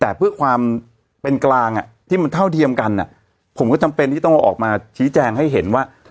แต่เพื่อความเป็นกลางอ่ะที่มันเท่าเทียมกันผมก็จำเป็นที่ต้องออกมาชี้แจงให้เห็นว่า